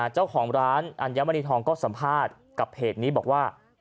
เจ้าของร้านอัญมณีทองก็สัมภาษณ์กับเพจนี้บอกว่า